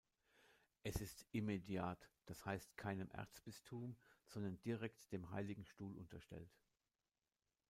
Es ist immediat, das heißt keinem Erzbistum, sondern direkt dem Heiligen Stuhl unterstellt.